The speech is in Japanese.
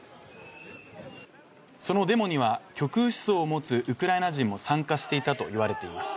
そのデモには極右思想を持つウクライナ人も参加していたといわれています